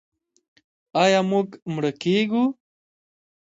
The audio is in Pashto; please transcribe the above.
آیا موږ مړه کیږو؟